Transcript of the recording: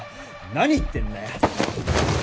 何言ってんだよ